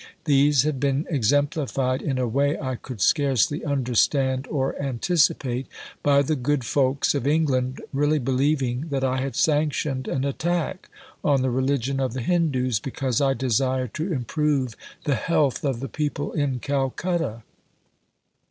These have been exemplified in a way I could scarcely understand or anticipate, by the good folks of England really believing that I had sanctioned an attack on the religion of the Hindoos, because I desired to improve the health of the people in Calcutta!